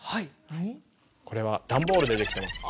これはダンボールでできてます。